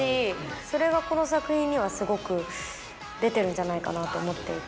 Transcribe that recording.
それがこの作品にはすごく出てるんじゃないかなと思っていて。